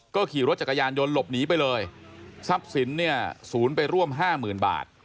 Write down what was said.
ก็ขี่รถจักรยานยนต์หลบหนีไปเลยทรัพย์สินเนี่ยศูนย์ไปร่วมห้าหมื่นบาท